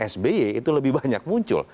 sby itu lebih banyak muncul